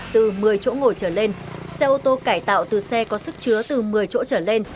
từ một mươi chỗ ngồi trở lên xe ô tô cải tạo từ xe có sức chứa từ một mươi chỗ trở lên